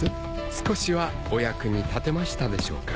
少しはお役に立てましたでしょうか？